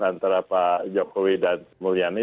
antara pak jokowi dan mulyani